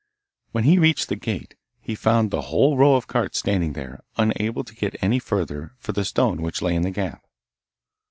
When he reached the gate, he found the whole row of carts standing there, unable to get any further for the stone which lay in the gap.